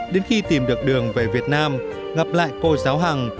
đến khi tìm được đường về việt nam gặp lại cô giáo hằng